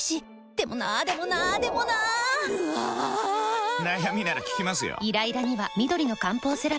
でもなーでもなーでもなーぬあぁぁぁー！！！悩みなら聞きますよ。